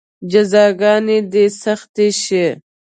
جزاګانې دې سختې شي.